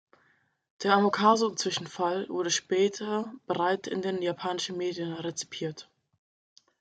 Der „Amakasu-Zwischenfall“ wurde später breit in den japanischen Medien rezipiert.